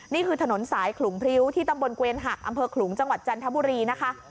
นี่คือถนนสายขลุงพริ้วที่ตำบลเกวียนหักอำเภอขลุงจังหวัดจันทบุรีนะคะ